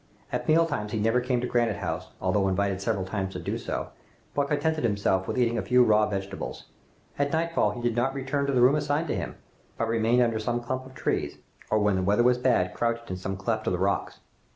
At meal times he never came to Granite House, although invited several times to do so, but contented himself with eating a few raw vegetables. At nightfall he did not return to the room assigned to him, but remained under some clump of trees, or when the weather was bad crouched in some cleft of the rocks.